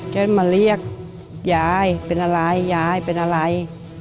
ก็มาเรียกยายเป็นอะไร